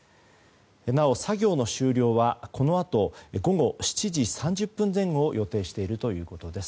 なお作業の終了はこのあと午後７時３０分前後を予定しているということです。